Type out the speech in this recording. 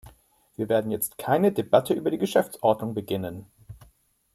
Wir werden jetzt keine Debatte über die Geschäftsordnung beginnen.